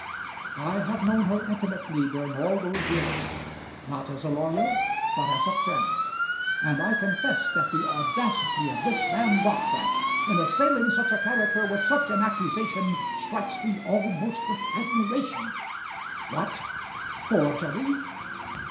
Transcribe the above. I have known her intimately during all those years, not as a lawyer, but as a friend, and I confess that the audacity of this man Dockwrath, in assailing such a character with such an accusation, strikes me almost with admiration. What! Forgery!